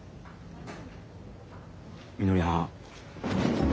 みのりはん。